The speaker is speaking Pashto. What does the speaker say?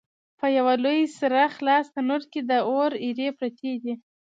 په یوه لوی سره خلاص تنور کې د اور ایرې پرتې وې.